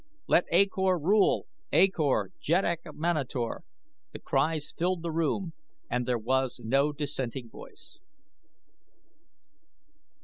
"Let A Kor rule! A Kor, Jeddak of Manator!" The cries filled the room and there was no dissenting voice.